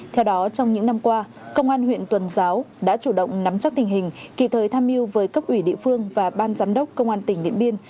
theo đó trong những năm qua công an huyện tuần giáo đã chủ động nắm chắc tình hình kỳ thời tham mưu với cấp ủy địa phương và ban giám đốc công an tỉnh điện biên